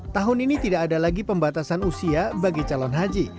tahun ini tidak ada lagi pembatasan usia bagi calon haji